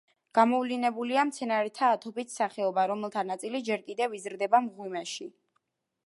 გამოვლინებულია მცენარეთა ათობით სახეობა, რომელთა ნაწილი ჯერ კიდევ იზრდება მღვიმეში.